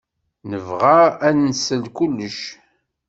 Nebɣa ad nsel kullec.